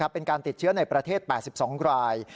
เป็นการติดเชื้อในประเทศ๘๒ราย